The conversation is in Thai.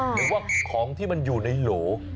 หรือว่าของที่มันอยู่ในโหล